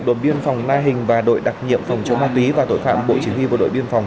đồn biên phòng na hình và đội đặc nhiệm phòng chống ma túy và tội phạm bộ chỉ huy bộ đội biên phòng